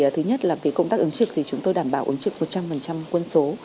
thứ nhất là công tác ứng trực thì chúng tôi đảm bảo ứng trực một trăm linh quân số